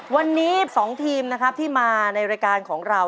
วันนี้สองทีมที่มาในรายการของเรา